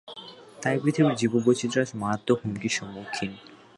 তাই পৃথিবীর জীববৈচিত্র্য আজ মারাত্মক হুমকির সম্মুখীন।